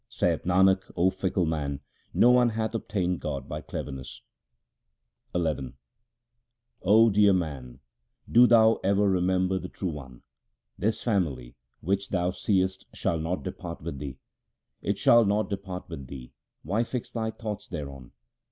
Saith Nanak, O fickle man, no one hath obtained God by cleverness. XI 0 dear man, do thou ever remember the True One. This family which thou seest shall not depart with thee ; It shall not depart with thee ; why fix thy thoughts thereon